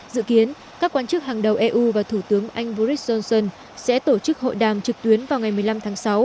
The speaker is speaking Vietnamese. dự kiến các quan chức hàng đầu eu và thủ tướng anh boris johnson sẽ tổ chức hội đàm trực tuyến vào ngày một mươi năm tháng sáu